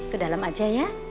ke dalam aja ya